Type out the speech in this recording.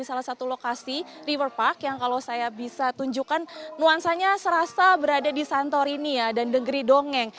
salah satu lokasi river park yang kalau saya bisa tunjukkan nuansanya serasa berada di santorinia dan negeri dongeng